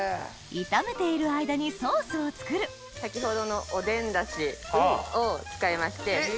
炒めている間にソースを作る先ほどのおでんダシを使いまして。